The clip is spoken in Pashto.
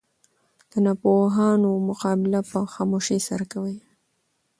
د ناپوهانو مقابله په خاموشي سره کوئ!